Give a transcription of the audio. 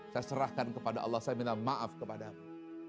saya serahkan kepada allah saya minta maaf kepada mu